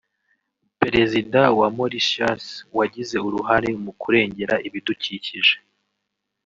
Perezida wa Mauritius wagize uruhare mu kurengera ibidukikije